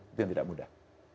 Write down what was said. itu yang tidak mudah